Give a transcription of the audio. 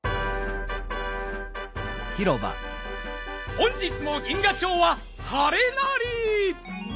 本日も銀河町ははれなり！